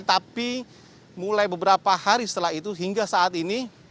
tapi mulai beberapa hari setelah itu hingga saat ini